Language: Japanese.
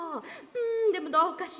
うんでもどうかしら？